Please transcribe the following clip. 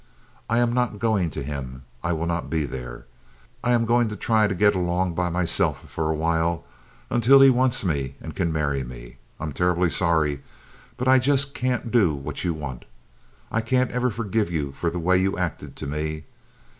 I am not going to him; I will not be there. I am going to try to get along by myself for a while, until he wants me and can marry me. I'm terribly sorry; but I just can't do what you want. I can't ever forgive you for the way you acted to me.